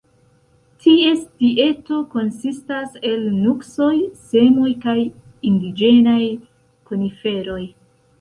Ties dieto konsistas el nuksoj, semoj kaj indiĝenaj koniferoj.